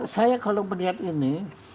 saya kalau melihat ini